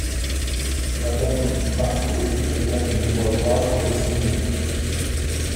Madame Marquet répond d’une voix grave, résignée.